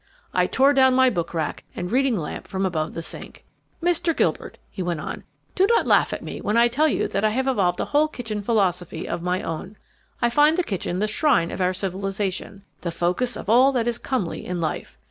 I tore down my book rack and reading lamp from over the sink. "Mr. Gilbert," he went on, "do not laugh at me when I tell you that I have evolved a whole kitchen philosophy of my own. I find the kitchen the shrine of our civilization, the focus of all that is comely in life.